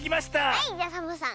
はいじゃサボさん。